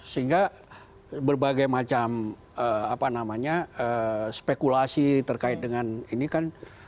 sehingga berbagai macam spekulasi terkait dengan ini kan